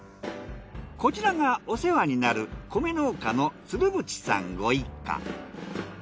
こちらがお世話になる米農家の鶴渕さんご一家。